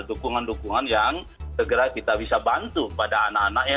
dukungan dukungan yang segera kita bisa bantu pada anak anak ya